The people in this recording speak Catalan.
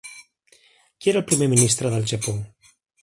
Qui era el Primer ministre del Japó?